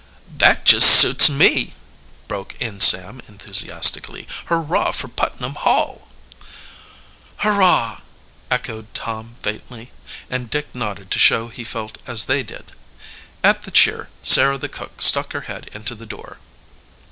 "That just suits me!" broke in Sam enthusiastically. "Hurrah for Putnam Hall!" "Hurrah!" echoed Tom faintly, and Dick nodded to show he felt as they did. At the cheer, Sarah the cook stuck her head into the door.